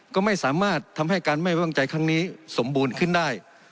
ก็ไม่สามารถทำให้การไม่ไว้วางใจครั้งนี้สมบูรณ์ขึ้นได้